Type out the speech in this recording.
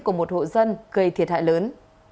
của một hộ dân gây thiệt hại lớn